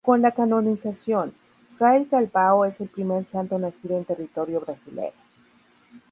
Con la canonización, Fray Galvão es el primer santo nacido en territorio brasilero.